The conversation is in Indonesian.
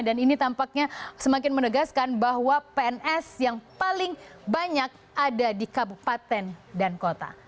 dan ini tampaknya semakin menegaskan bahwa pns yang paling banyak ada di kabupaten dan kota